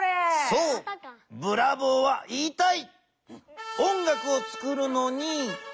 そうブラボーは言いたい。